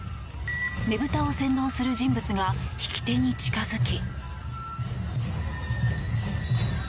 ねぶたを先導する人物が引き手に近付き。